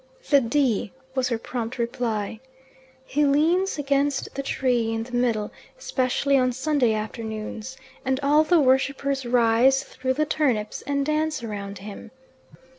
"The D.," was her prompt reply. "He leans against the tree in the middle, especially on Sunday afternoons and all the worshippers rise through the turnips and dance round him."